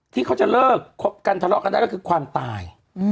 ที่เขาจะเลิกคบกันทะเลาะกันได้ก็คือความตาย